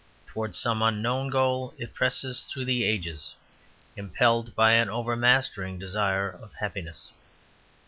Towards some unknown goal it presses through the ages, impelled by an overmastering desire of happiness.